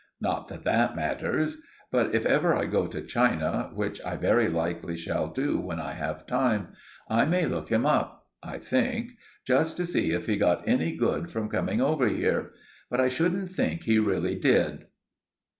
Not that that matters. But if I ever go to China, which I very likely shall do when I have time, I may look him up, I think—just to see if he got any good from coming over here. But I shouldn't think he really did.